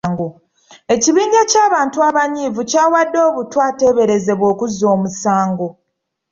Ekibinja ky'abantu abanyiivu kyawadde obutwa ateeberezebwa okuzza omusango.